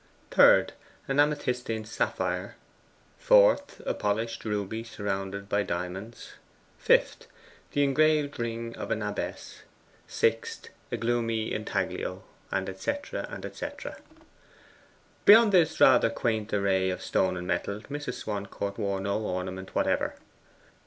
3rd. An amethystine sapphire. 4th. A polished ruby, surrounded by diamonds. 5th. The engraved ring of an abbess. 6th. A gloomy intaglio; &c. &c. Beyond this rather quaint array of stone and metal Mrs. Swancourt wore no ornament whatever.